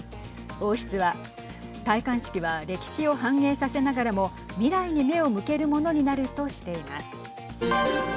王室は戴冠式は歴史を反映させながらも未来に目を向けるものになるとしています。